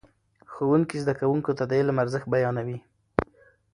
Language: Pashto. ښوونکي زده کوونکو ته د علم ارزښت بیانوي.